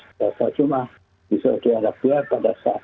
sahaja sholat jumat di saudi arabia pada saat